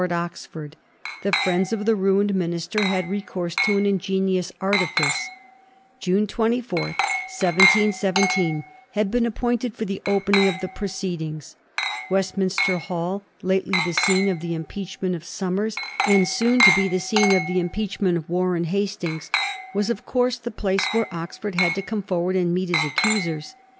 Digiti zed by Google 1717. OXFORD'S IMPEACHMENT. 221 The firiends of the ruined minister had recourse to an ingenious artifice. June 24, 1717, had been appointed for the opening of the proceedings. West minster Hall, lately the scene of the impeachment of Somers, and soon to be the scene of the impeach ment of Warren Hastings, was of course the place where Oxford had to come forward and meet his accusers.